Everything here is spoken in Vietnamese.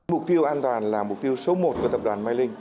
mục tiêu an toàn là mục tiêu số một của tập đoàn myling